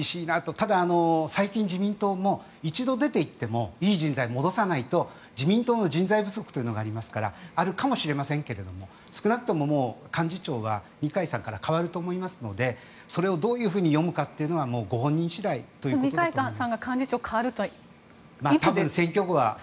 ただ、最近自民党も一度出ていってもいい人材を戻さないと自民党の人材不足というのがありますからあるかもしれませんけど少なくとも幹事長は二階さんから変わると思いますのでそれをどう読むかというのはご本人次第だと思います。